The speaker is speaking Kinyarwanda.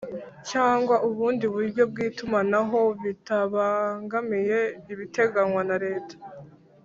cyangwa ubundi buryo bw’itumanaho bitabangamiye ibiteganywa na leta